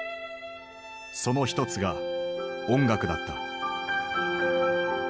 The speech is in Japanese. そのひとつが音楽だった。